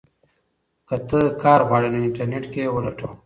که ته کار غواړې نو انټرنیټ کې یې ولټوه.